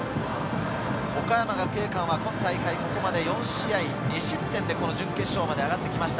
岡山学芸館は今大会、ここまで４試合２失点で準決勝まで上がってきました。